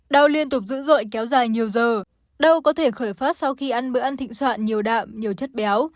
đau liên tục dữ dội kéo dài nhiều giờ đâu có thể khởi phát sau khi ăn bữa ăn thịnh soạn nhiều đạm nhiều chất béo